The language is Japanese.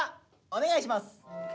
お願いします。